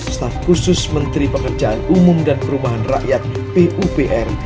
staf khusus menteri pekerjaan umum dan perumahan rakyat p u p r